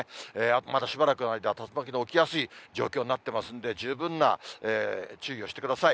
まだしばらくの間は竜巻が起きやすい状況になってますんで、十分な注意をしてください。